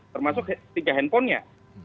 termasuk tiga handphonenya